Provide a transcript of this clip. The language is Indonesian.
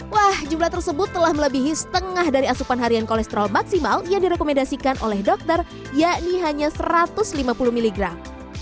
wah jumlah tersebut telah melebihi setengah dari asupan harian kolesterol maksimal yang direkomendasikan oleh dokter yakni hanya satu ratus lima puluh miligram